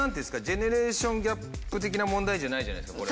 ジェネレーションギャップ的な問題じゃないじゃないですか